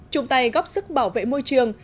chúng ta góp sức bảo vệ môi trường